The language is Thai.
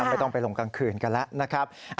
ไม่ต้องไปลงกลางคืนกันแล้วนะครับ